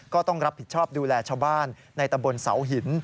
ก็ต้องรับผิดชอบดูแลชาวบ้านในตำบลเสาหิน